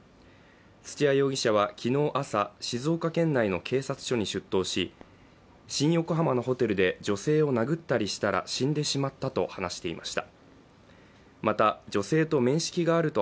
土屋容疑者は昨日朝、静岡県内の警察署に出頭し新横浜のホテルで女性を殴ったりしたら死んでしまったと話していました。